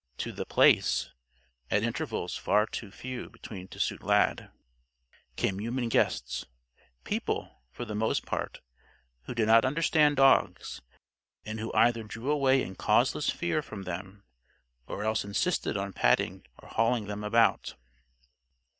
To The Place (at intervals far too few between to suit Lad), came human guests; people, for the most part, who did not understand dogs and who either drew away in causeless fear from them or else insisted on patting or hauling them about.